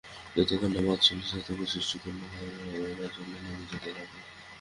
যতক্ষণ না মা চলে এসে আতঙ্ক সৃষ্টি করলো আর ওরা জলে নেমে যেতে লাগলো।